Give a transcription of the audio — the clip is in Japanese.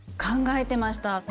考えてました。